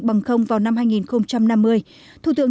bằng không vào năm hai nghìn năm mươi